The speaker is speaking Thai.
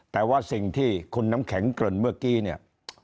แต่ว่าสิ่งที่คุณน้ำแข็งเกริ่นเมื่อกี้เนี่ย